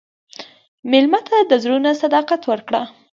مېلمه ته د زړه نه صداقت ورکړه.